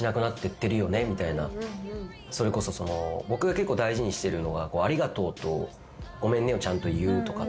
それこそ僕が結構大事にしてるのが「ありがとう」と「ごめんね」をちゃんと言うとか。